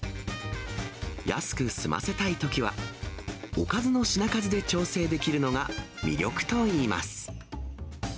安く済ませたいときは、おかずの品数で調整できるのが魅力といいます。